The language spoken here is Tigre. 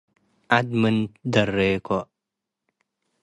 ዐደ ምን ትደሬኮ፣